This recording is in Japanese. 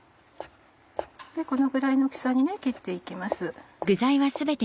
このぐらいの大きさに切って行きます。